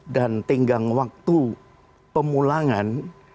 dan tinggang waktu pemulangan